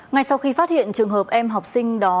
ngay sau khi phát hiện trường hợp em học sinh đó